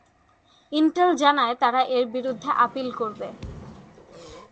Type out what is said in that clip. Intel জানায় তারা এর বিরুদ্ধে আপিল করবে।